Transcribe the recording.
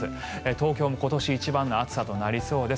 東京も今年一番の暑さとなりそうです。